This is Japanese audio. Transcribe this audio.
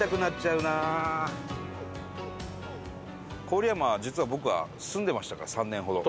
郡山実は僕は住んでましたから３年ほど。